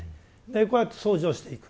でこうやって掃除をしていく。